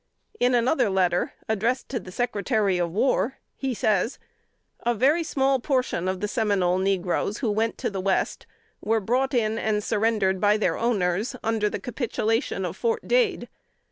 In another letter, addressed to the Secretary of War, he says: "A very small portion of the Seminole negroes who went to the West, were brought in and surrendered by their owners, under the capitulation of Fort Dade.